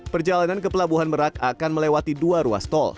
perjalanan ke pelabuhan merak akan melewati dua ruas tol